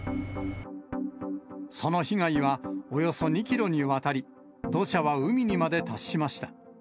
その被害はおよそ２キロにわたり、土砂は海にまで達しました。